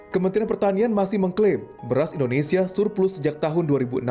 kementerian pertanian masih mengklaim beras indonesia surplus sejak tahun dua ribu enam belas